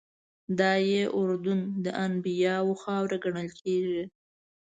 دادی اردن د انبیاوو خاوره ګڼل کېږي.